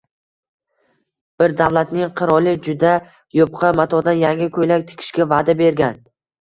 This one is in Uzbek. Bir davlatning qiroli juda yupqa matodan yangi ko‘ylak tikishga va’da bergan